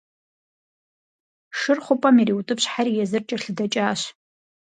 Шыр хъупӏэм ириутӏыпщхьэри, езыр кӏэлъыдэкӏащ.